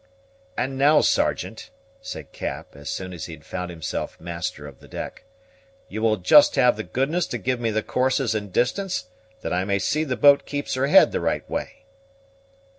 "And now, Sergeant," said Cap, as soon as he found himself master of the deck, "you will just have the goodness to give me the courses and distance, that I may see the boat keeps her head the right way."